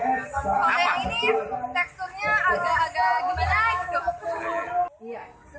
durian ini teksturnya agak agak gimana gitu